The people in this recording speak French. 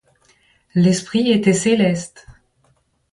L'esprit était céleste.